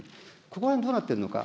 ここらへんどうなっているのか